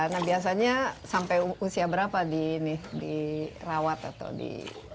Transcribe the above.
nah biasanya sampai usia berapa dirawat atau di